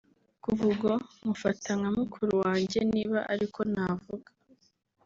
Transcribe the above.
Kuva ubwo nkufata nka mukuru wanjye niba ariko navuga